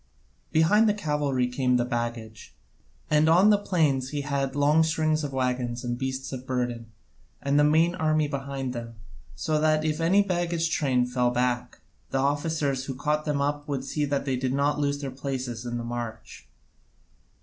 Behind the cavalry came the baggage, and on the plains he had long strings of waggons and beasts of burden, and the main army behind them, so that if any of the baggage train fell back, the officers who caught them up would see that they did not lose their places in the march.